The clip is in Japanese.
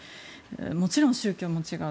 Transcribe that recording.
もちろん宗教も違う。